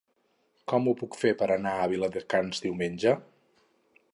Com ho puc fer per anar a Viladecans diumenge?